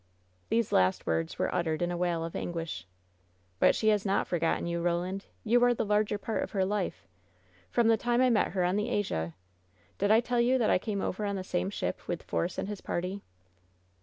These last words were uttered in a wail of anguish. "But she has not forgotten you, Roland! You are the lai^er part of her life! From the time I met her on the Asia Did I tell you that I came over on the same ship with Force and his party?"